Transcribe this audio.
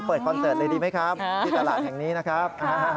คอนเสิร์ตเลยดีไหมครับที่ตลาดแห่งนี้นะครับ